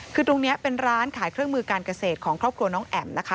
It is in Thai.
คือตรงนี้เป็นร้านขายเครื่องมือการเกษตรของครอบครัวน้องแอ๋มนะคะ